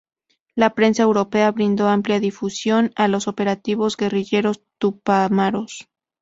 La prensa europea brindó amplia difusión a los operativos guerrilleros tupamaros.